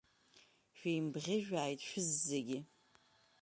Шәеимбӷьыжәааит шәызегьы.